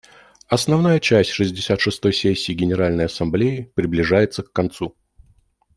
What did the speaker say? Основная часть шестьдесят шестой сессии Генеральной Ассамблеи приближается к концу.